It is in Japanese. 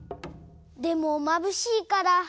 でもまぶしいから。